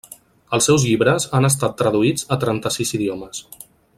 Els seus llibres han estat traduïts a trenta-sis idiomes.